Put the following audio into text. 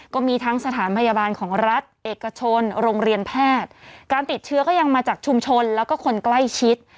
ก็มีทั้งสถานพยาบาลของรัฐเอกชนโรงเรียนแพทย์การติดเชื้อก็ยังมาจากชุมชนแล้วก็คนใกล้ชิด